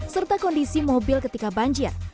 serta kondisi mobil ketika banjir